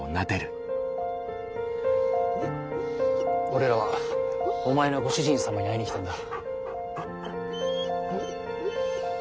俺らはお前のご主人様に会いに来たんだ。